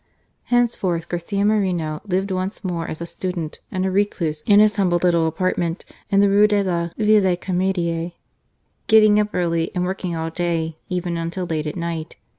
Henceforth Garcia Moreno lived once more as a student and a recluse in his humble little apartment in the Rue de la Vieille Com^die, getting up early and working all day, even until late at night.